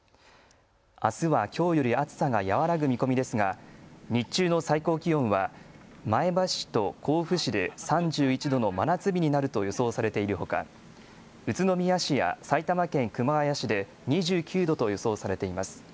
あすはきょうより暑さが和らぐ見込みですが日中の最高気温は前橋市と甲府市で３１度の真夏日になると予想されているほか宇都宮市や埼玉県熊谷市で２９度と予想されています。